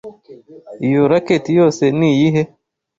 Iyo racket yose niyihe?